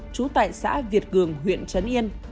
chú tại xã việt cường huyện yên bình